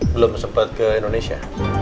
belum sempat ke indonesia